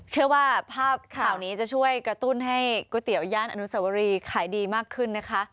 เชื่อว่าภาพข่าวนี้จะช่วยกระตุ้นให้ก๋วยเตี๋ยวย่านอนุสวรีขายดีมากขึ้นนะคะ